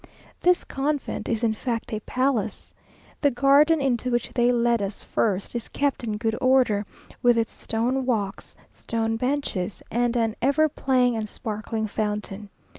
This convent is in fact a palace. The garden, into which they led us first, is kept in good order, with its stone walks, stone benches, and an ever playing and sparkling fountain.